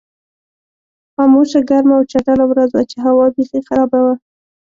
خاموشه، ګرمه او چټله ورځ وه چې هوا بېخي خرابه وه.